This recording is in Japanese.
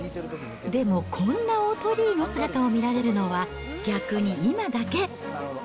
でも、こんな大鳥居の姿を見られるのは、逆に今だけ。